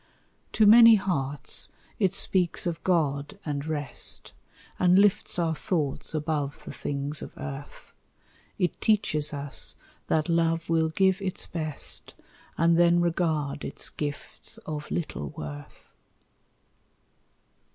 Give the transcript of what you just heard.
To many hearts it speaks of God and rest, And lifts our thoughts above the things of earth; It teaches us that love will give its best, And then regard its gifts of little worth.